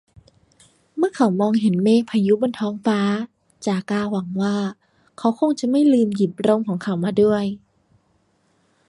เมื่อเขามองเห็นเมฆพายุบนท้องฟ้า จาก้าหวังว่า เขาคงจะไม่ลืมหยิบร่มของเขามาด้วย